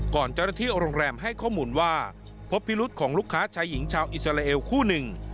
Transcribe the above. ก่อนเจ้าหน้าที่โรงแรมให้ข้อมูลว่าพบพิรุษของลูกค้าชายหญิงชาวอิสราเอลคู่หนึ่ง